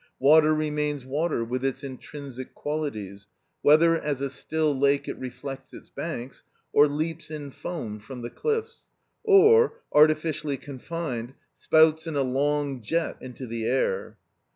Water remains water with its intrinsic qualities, whether as a still lake it reflects its banks, or leaps in foam from the cliffs, or, artificially confined, spouts in a long jet into the air.